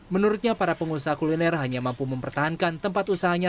menurutnya para pengusaha kuliner hanya mampu mempertahankan tempat usahanya